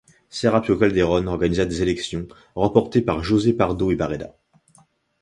Serapio Calderón organisa des élections remportées par José Pardo y Barreda.